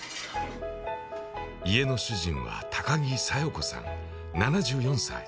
家の主人は高木佐代子さん、７４歳。